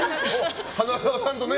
花澤さんとね。